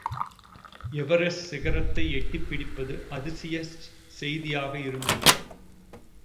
Everest சிகரத்தை எட்டிப் பிடிப்பது அதிசய செய்தியாக இருந்தது.